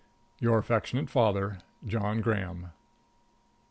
Your affectionate father, JOHN GRAHAM.